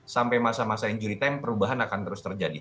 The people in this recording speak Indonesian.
sampai masa masa injury time perubahan akan terus terjadi